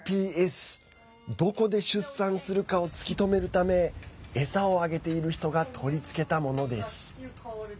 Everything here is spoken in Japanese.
どこで出産するかを突き止めるため餌をあげている人が取り付けたものです。